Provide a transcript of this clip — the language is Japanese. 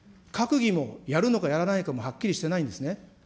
閣議も、やるのかやらないのかもはっきりしてないんですね。